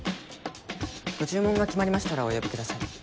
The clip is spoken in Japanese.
ご注文が決まりましたらお呼びください。